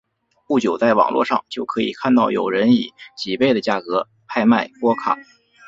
不久在网络上就可以看到有人以几倍的价格拍卖波卡。